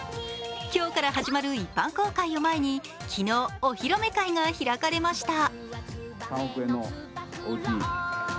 今日から始まる一般公開を前に昨日、お披露目会が開かれました。